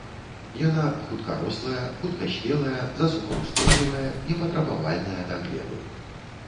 Яна хуткарослая, хуткаспелая, засухаўстойлівая, непатрабавальная да глебы.